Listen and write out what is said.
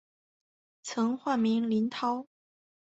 曾化名林涛。